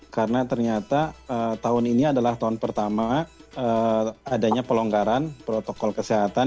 karena ternyata tahun ini adalah tahun pertama adanya pelonggaran protokol kesehatan